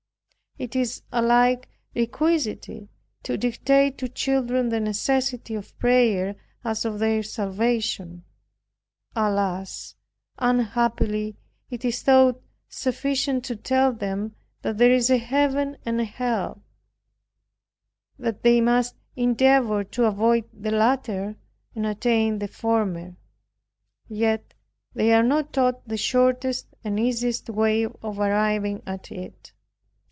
It is alike requisite to dictate to children the necessity of prayer as of their salvation. Alas! unhappily, it is thought sufficient to tell them that there is a Heaven and a Hell; that they must endeavor to avoid the latter and attain the former; yet they are not taught the shortest and easiest way of arriving at it.